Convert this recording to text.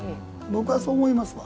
僕はそう思いますわ。